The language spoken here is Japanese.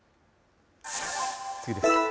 次です。